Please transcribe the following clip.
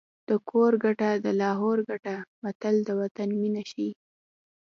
د کور ګټه د لاهور ګټه متل د وطن مینه ښيي